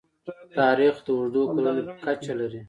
تاریخ د اوږدو کلونو کچه لري.